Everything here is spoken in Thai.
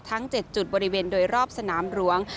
ทั้ง๗จุดบริเวณโดยรอบสนามหลวง